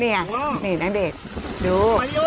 นี่นี่ณเดชน์ดู